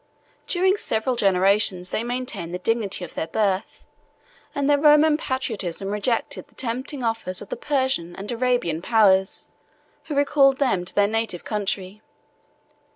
During several generations they maintained the dignity of their birth; and their Roman patriotism rejected the tempting offers of the Persian and Arabian powers, who recalled them to their native country.